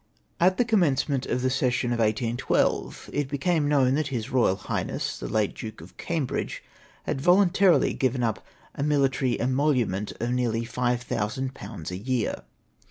At the commencement of the session of 1812, it be came known that His Eoyal Highness the late Duke of Cambridge had vohuitarily given up a military emolu ment of nearly 5000/. a year.